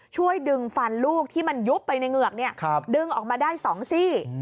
ช่วยดึงฟันลูกที่มันยุบไปในเหงือกดึงออกมาได้๒ซี่